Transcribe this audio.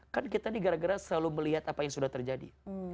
kan kita ini gara gara selalu melihat apa yang sudah terjadi